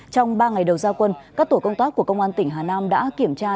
trong ba ngày đầu gia quân các tổ công tác của công an tỉnh hà nam đã kiểm tra